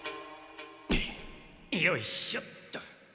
よいしょっと。